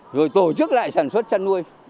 rồi tổ chức lại sản xuất chăn nuôi